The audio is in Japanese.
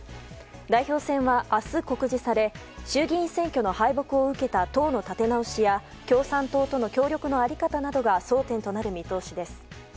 代表選は明日告示され衆議院選挙の敗北を受けた党の立て直しや共産党との協力の在り方などが争点となる見通しです。